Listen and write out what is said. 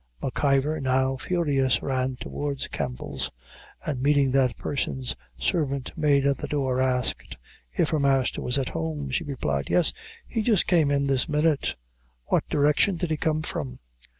M'Ivor, now furious, ran towards Campel's, and meeting that person's servant maid at the door, asked "if her master was at home." She replied, "Yes, he just came in this minute." "What direction did he come from?"